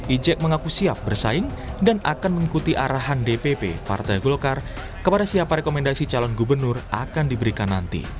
ijek mengaku siap bersaing dan akan mengikuti arahan dpp partai golkar kepada siapa rekomendasi calon gubernur akan diberikan nanti